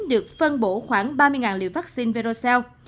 được phân bổ khoảng ba mươi liều vaccine virocell